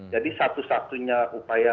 jadi satu satunya upaya